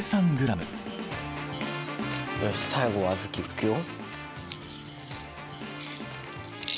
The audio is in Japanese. よし最後は小豆いくよ。